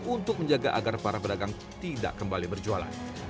untuk menjaga agar para pedagang tidak kembali berjualan